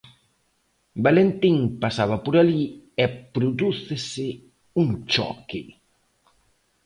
Valentín pasaba por alí e prodúcese un choque.